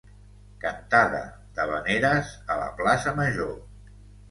Cantada d'havaneres a la plaça major.